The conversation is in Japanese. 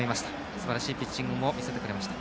すばらしいピッチングも見せてくれました。